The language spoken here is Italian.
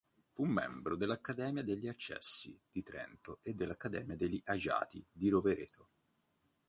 Fu membro dell'Accademia degli Accesi di Trento e dell'Accademia degli Agiati di Rovereto.